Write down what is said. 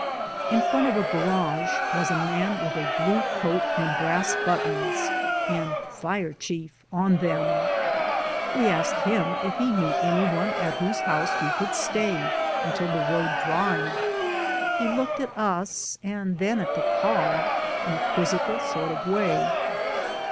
In front of a garage was a man with a blue coat and brass buttons, and Fire Chief on theuL We asked him if he knew anyone at whose house we could stay tmtil the road dried. He 70 Digitized by LjOOQ IC MUDII looked at ns and then at the car in a quizzical sort of way.